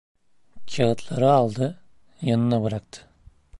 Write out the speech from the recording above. Kâğıtları aldı, yanına bıraktı.